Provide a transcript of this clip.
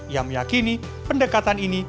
yang meyakini pendekatan ini